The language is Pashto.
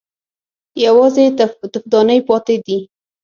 _يوازې تفدانۍ پاتې دي.